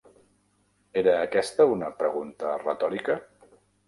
Era aquesta una pregunta retòrica?